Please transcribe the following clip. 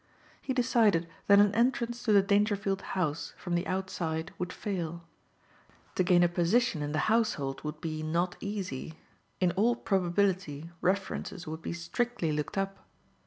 He decided that an entrance to the Dangerfield house from the outside would fail. To gain a position in the household would be not easy. In all probability references would be strictly looked up.